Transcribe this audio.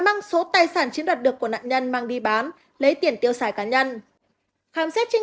mang số tài sản chiếm đoạt được của nạn nhân mang đi bán lấy tiền tiêu xài cá nhân khám xét trên